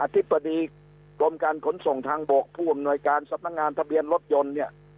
ธิบดีกรมการขนส่งทางบกผู้อำนวยการสำนักงานทะเบียนรถยนต์เนี่ย